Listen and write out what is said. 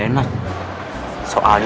emang ga jadi ditunggu